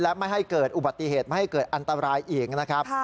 และไม่ให้เกิดอุบัติเหตุไม่ให้เกิดอันตรายอีกนะครับ